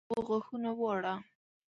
د لمبو غاښونه واړه